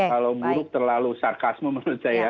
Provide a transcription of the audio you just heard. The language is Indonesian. kalau buruk terlalu sarkasmu menurut saya